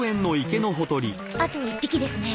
あと１匹ですね。